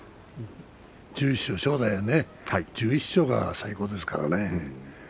正代は１１勝が最大ですからね。